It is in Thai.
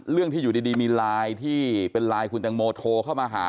เรื่องที่อยู่ดีมีไลน์ที่เป็นไลน์คุณตังโมโทรเข้ามาหา